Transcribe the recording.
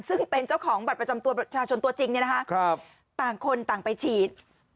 ซึ่งเป็นเจ้าของบัตรประจำตัวประชาชนตัวจริงต่างคนต่างไปฉีด